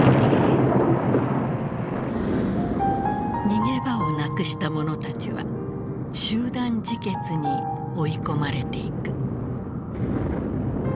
逃げ場をなくした者たちは集団自決に追い込まれていく。